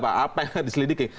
apa yang diselidiki